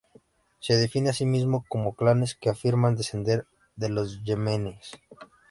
Se definen a sí mismos como clanes que afirman descender de los yemeníes.